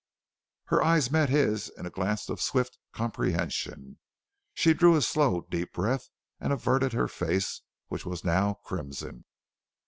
Her eyes met his in a glance of swift comprehension. She drew a slow, deep breath and averted her face, which was now crimson.